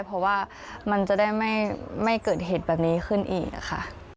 เพราะว่ามันจะได้ไม่เกิดเหตุแบบนี้ขึ้นอีกค่ะ